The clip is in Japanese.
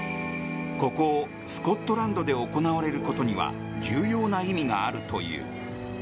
ここスコットランドで行われることには重要な意味があるという。